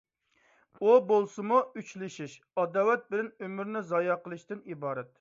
ئۇ بولسىمۇ ئۆچلىشىش، ئاداۋەت بىلەن ئۆمرىنى زايە قىلىشتىن ئىبارەت.